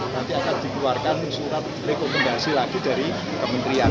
nanti akan dikeluarkan surat rekomendasi lagi dari kementerian